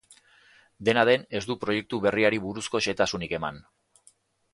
Dena den, ez du proiektu berriari buruzko xehetasunik eman.